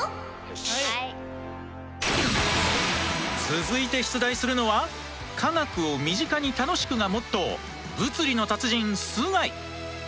続いて出題するのは科学を身近に楽しくがモットー物理の達人須貝。